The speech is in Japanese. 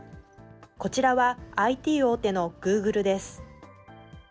こちらはＩＴ大手のグーグルです。